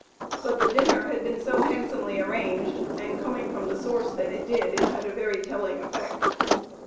But the dinner had been so handsomely arranged, and coming from the source that it did, it had a very telling effect.